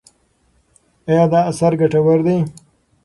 ایا دا اثر ګټور دی؟